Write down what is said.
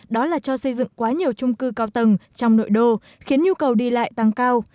đó là cho xây dựng quá nhiều trung cư cao tầng trong nội đô khiến nhu cầu đi lại tăng cao